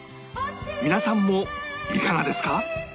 皆さんもいかがですか？